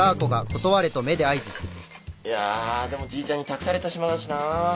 いやーでもじいちゃんに託された島だしな。